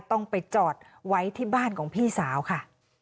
ต้องไปจอดไว้ที่บ้านของพี่สาวค่ะ